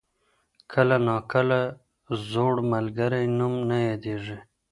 کله ناکله زوړ ملګری نوم نه یادېږي.